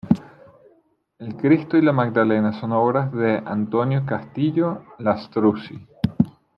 El Cristo y la Magdalena son obra de Antonio Castillo Lastrucci.